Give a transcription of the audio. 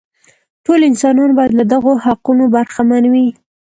ټول انسانان باید له دغو حقونو برخمن وي.